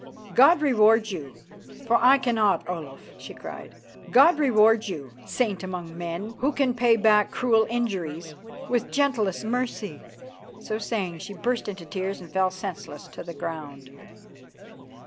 "God reward you, for I cannot, Olaf," she cried. "God reward you, saint among men, who can pay back cruel injuries with the gentlest mercy." So saying, she burst into tears and fell senseless to the ground.